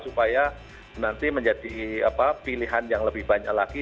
supaya nanti menjadi pilihan yang lebih banyak lagi